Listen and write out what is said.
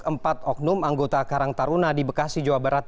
empat oknum anggota karang taruna di bekasi jawa barat